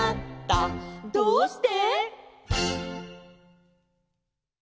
「どうして？」